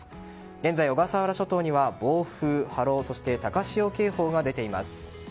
現在、小笠原諸島には暴風・波浪そして高潮警報が出ています。